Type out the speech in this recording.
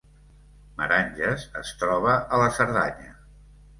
Meranges es troba a la Cerdanya